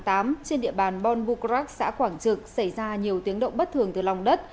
trên địa bàn bon bucrac xã quảng trực xảy ra nhiều tiếng động bất thường từ lòng đất